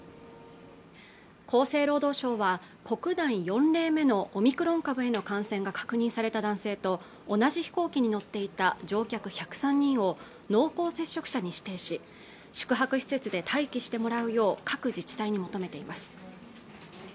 厚生労働省は国内４例目のオミクロン株の感染が確認された男性と同じ飛行機に乗っていた乗客１０３人を濃厚接触者に指定し宿泊施設で待機してもらうよう各自治体に求めています